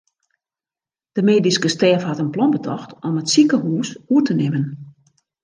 De medyske stêf hat in plan betocht om it sikehûs oer te nimmen.